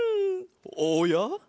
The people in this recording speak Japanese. おや？